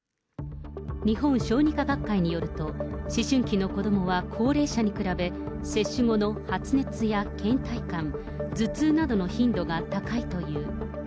日本小児科学会によると、思春期の子どもは、高齢者に比べ、接種後の発熱やけん怠感、頭痛などの頻度が高いという。